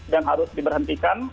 dan harus diberhentikan